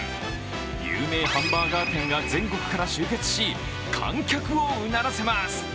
有名ハンバーガー店が全国から集結し観客をうならせます。